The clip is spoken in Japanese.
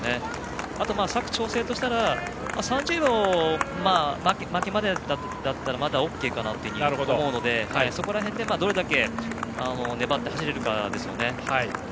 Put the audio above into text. あと佐久長聖としたら３０秒負けまでだったらまだＯＫかなと思うのでそこら辺でどれだけ粘って走れるかですよね。